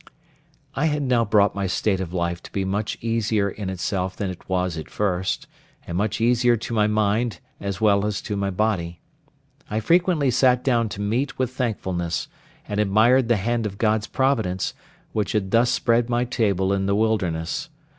I had now brought my state of life to be much easier in itself than it was at first, and much easier to my mind, as well as to my body. I frequently sat down to meat with thankfulness, and admired the hand of God's providence, which had thus spread my table in the wilderness.